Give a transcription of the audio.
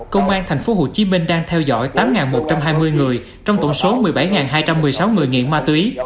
công an tp hcm đang theo dõi tám một trăm hai mươi người trong tổng số một mươi bảy hai trăm một mươi sáu người nghiện ma túy